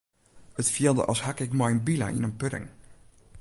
It fielde as hakke ik mei in bile yn in pudding.